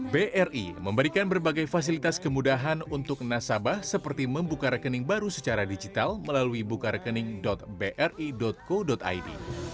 bri memberikan berbagai fasilitas kemudahan untuk nasabah seperti membuka rekening baru secara digital melalui bukarekening bri co id